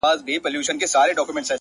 باران دی! وريځ ده ستا سترگي پټې!